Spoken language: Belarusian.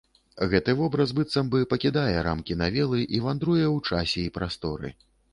Гэты вобраз быццам бы пакідае рамкі навелы і вандруе ў часе і прасторы.